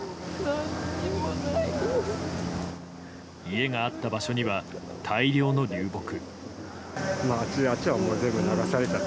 家があった場所には大量の流木。